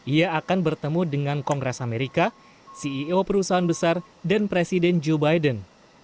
ia akan bertemu dengan kongres amerika ceo perusahaan besar dan presiden joe biden